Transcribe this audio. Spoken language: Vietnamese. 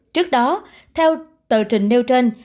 trước đó theo tờ trình nêu trên